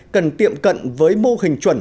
cần tiệm cận với mô hình chuẩn